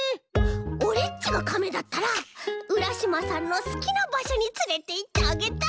オレっちがカメだったらうらしまさんのすきなばしょにつれていってあげたい！